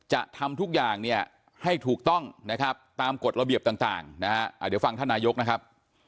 ให้ถูกต้องนะครับตามกฎระเบียบต่างนะฮะเดี๋ยวฟังท่านนายกนะครับ